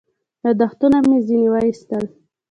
یاداښتونه مې ځنې واخیستل.